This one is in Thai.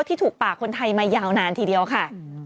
ที่ถูกปากคนไทยมายาวนานทีเดียวค่ะ